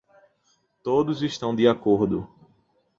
Todos estão de acordo.